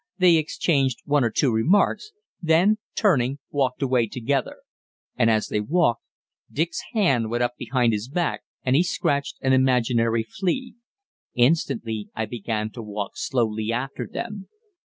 They exchanged one or two remarks, then, turning, walked away together. And, as they walked, Dick's hand went up his back and he scratched an imaginary flea. Instantly I began to walk slowly after them.